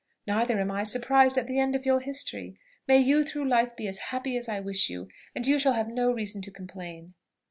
Neither am I surprised at the end of your history. May you through life be as happy as I wish you, and you shall have no reason to complain.